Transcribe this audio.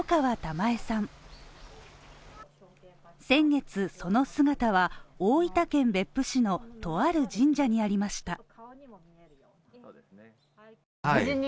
先月、その姿は大分県別府市のとある神社にありました。